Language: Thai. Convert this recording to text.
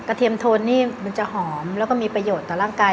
เทียมโทนนี่มันจะหอมแล้วก็มีประโยชน์ต่อร่างกาย